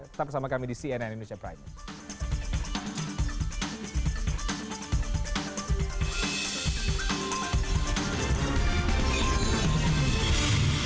tetap bersama kami di cnn indonesia prime news